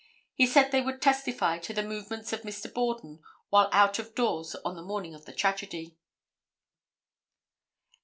He said they would testify to the movements of Mr. Borden while out doors on the morning of the tragedy.